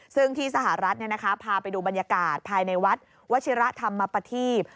ซึ่งที่สหรัฐพาไปดูบรรยากาศภายในวัดวชิระธรรมปฏีพ